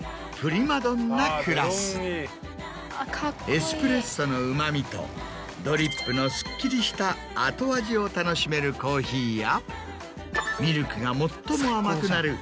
エスプレッソのうま味とドリップのすっきりした後味を楽しめるコーヒーや。